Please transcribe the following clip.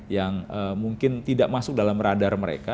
yang mungkin tidak masuk dalam radar mereka